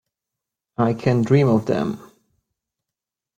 I can dream of them.